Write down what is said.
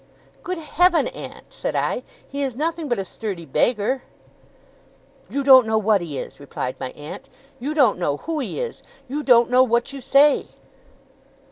'Good Heaven, aunt!' said I. 'He is nothing but a sturdy beggar.' 'You don't know what he is!' replied my aunt. 'You don't know who he is! You don't know what you say!